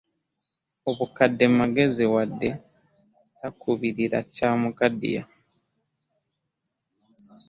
Obukadde magezi wadde takubuulira kyamukaddiya.